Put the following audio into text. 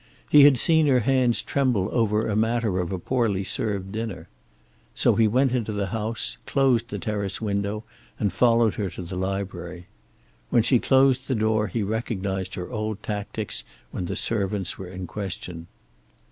He had seen her hands tremble over a matter of a poorly served dinner. So he went into the house, closed the terrace window and followed her to the library. When she closed the door he recognized her old tactics when the servants were in question.